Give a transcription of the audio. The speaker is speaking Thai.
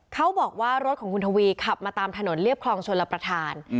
เขาบอกว่ารถของคุณทวีขับมาตามถนนเรียบคลองชลประธาน